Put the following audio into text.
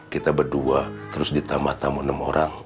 kita berdua terus ditambah tamu enam orang